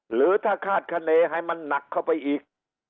หรือถ้าคาดคณีให้มันหนักเข้าไปอีก